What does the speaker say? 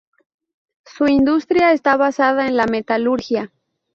Su industria está basada en la metalurgia.